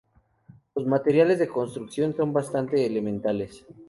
Los materiales de construcción son bastante elementales.